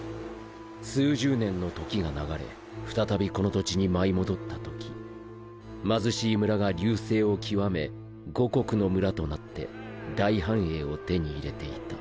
数十年の時が流れ再びこの土地に舞い戻ったとき貧しい村が隆盛を極め五穀の村となって大繁栄を手に入れていた。